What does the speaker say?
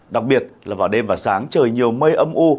đặc biệt là vào đêm và sáng trời nhiều mây âm u